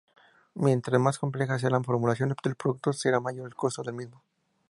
Mientras más compleja sea la formulación del producto, mayor será el costo del mismo.